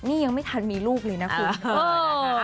นี่ยังไม่ทันมีลูกเลยนะคุณ